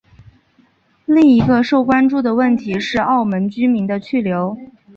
另一个受关注的问题是澳门居民的去留。